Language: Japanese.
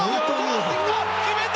決めた！